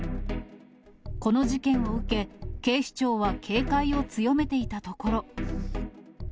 この事件を受け、警視庁は警戒を強めていたところ。